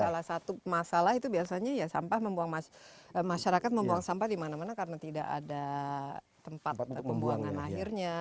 salah satu masalah itu biasanya ya sampah masyarakat membuang sampah di mana mana karena tidak ada tempat pembuangan akhirnya